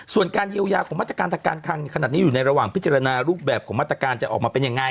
ส่วนการเยียวยาของมาตรการทางการคังขนาดนี้อยู่ในระหว่างพิจารณารูปแบบของมาตรการจะออกมาเป็นยังไง